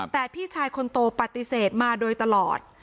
แต่พี่ชายคนโตปฏิเสธมาโดยตลอด